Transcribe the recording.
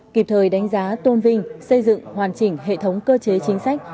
kịp thời đánh giá tôn vinh xây dựng hoàn chỉnh hệ thống cơ chế chính sách